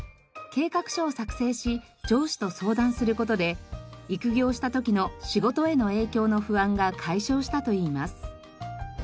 計画書を作成し上司と相談する事で育業した時の仕事への影響の不安が解消したといいます。